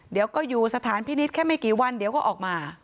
เดี๋ยวก็อยู่สถานพินิษฐ์แค่ไม่กี่วันเดี๋ยวก็ออกมา